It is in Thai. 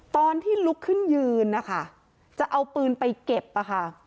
ตอนที่ลุกขึ้นยืนนะคะจะเอาปืนไปเก็บอะค่ะ